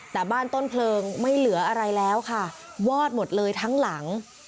แต่บ้านต้นเพลิงไม่เหลืออะไรแล้วค่ะวอดหมดเลยทั้งหลัง